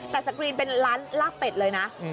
แต่สกรีนเป็นร้านลาบเป็ดเลยนะ